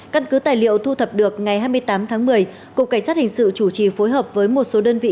căn cứ tài liệu thu thập được ngày hai mươi tám tháng một mươi cục cảnh sát hình sự chủ trì phối hợp với một số đơn vị